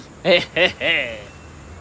hehehe ayah seharusnya tidak mengingatkanmu